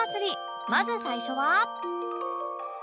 まず最初は